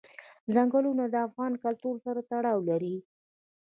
ځنګلونه د افغان کلتور سره تړاو لري.